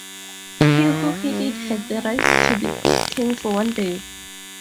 He who hit it had the right to be king for one day.